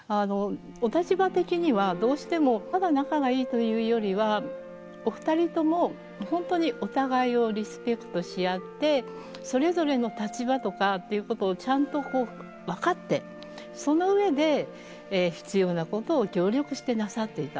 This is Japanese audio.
お立場的にはどうしてもただ仲がいいというよりはお二人とも本当にお互いをリスペクトし合ってそれぞれの立場とかっていうことをちゃんと分かってその上で必要なことを協力してなさっていた。